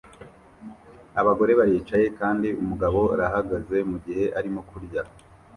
abagore baricaye kandi umugabo arahagaze mugihe arimo kurya